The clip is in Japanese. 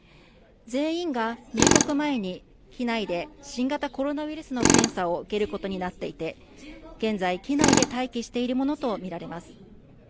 全員が入国前に機内で新型コロナウイルスの検査を受けることになっていて現在、機内で待機しているものと見られます。